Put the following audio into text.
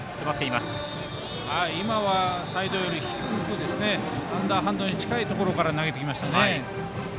今はサイドより低くアンダーハンドに近いところから投げてきましたね。